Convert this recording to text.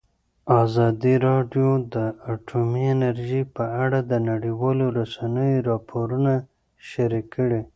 ازادي راډیو د اټومي انرژي په اړه د نړیوالو رسنیو راپورونه شریک کړي.